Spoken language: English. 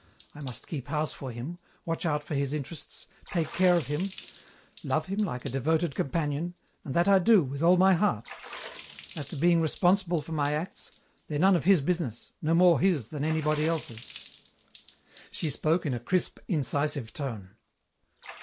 I must keep house for him, watch out for his interests, take care of him, love him like a devoted companion, and that I do, with all my heart. As to being responsible for my acts, they're none of his business, no more his than anybody else's." She spoke in a crisp, incisive tone.